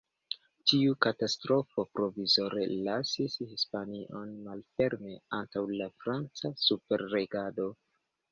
Tiu katastrofo provizore lasis Hispanion malferme antaŭ la franca superregado.